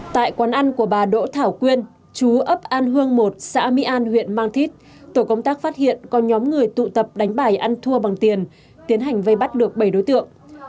tại quán ăn của bà đỗ thảo quyên chú ấp an hương một xã mỹ an huyện mang thít tổ công tác phát hiện còn nhóm người tụ tập đánh bài ăn thua bằng tiền tiến hành vây bắt được bảy đối tượng